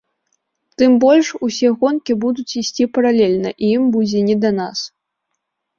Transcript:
Тым больш, усе гонкі будуць ісці паралельна, і ім будзе не да нас.